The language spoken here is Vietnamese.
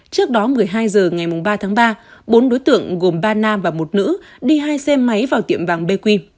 trước đó một mươi hai h ngày ba tháng ba bốn đối tượng gồm ba nam và một nữ đi hai xe máy vào tiệm vàng bq